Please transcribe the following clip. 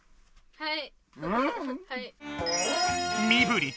はい。